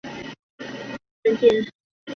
万历四十四年丙辰科进士。